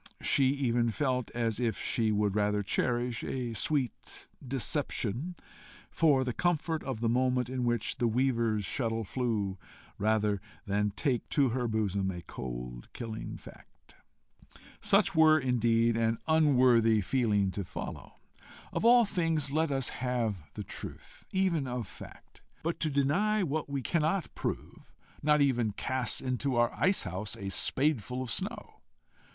She even felt as if she would rather cherish a sweet deception for the comfort of the moment in which the weaver's shuttle flew, than take to her bosom a cold killing fact. Such were indeed an unworthy feeling to follow! Of all things let us have the truth even of fact! But to deny what we cannot prove, not even casts into our ice house a spadeful of snow.